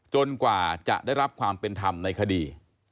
กว่าจะได้รับความเป็นธรรมในคดี